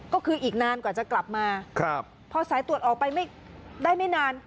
ก็คืออีกนานกว่าจะกลับมาครับพอสายตรวจออกไปไม่ได้ไม่นาน